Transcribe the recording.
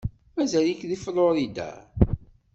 Mazal-ik deg Florida?